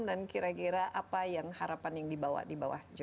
dan kira kira apa yang harapan yang dibawa dibawa anda